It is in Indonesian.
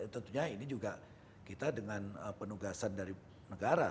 tentunya ini juga kita dengan penugasan dari negara